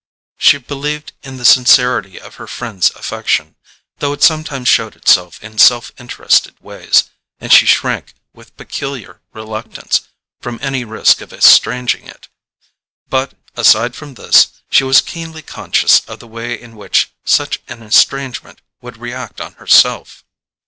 She believed in the sincerity of her friend's affection, though it sometimes showed itself in self interested ways, and she shrank with peculiar reluctance from any risk of estranging it. But, aside from this, she was keenly conscious of the way in which such an estrangement would react on herself.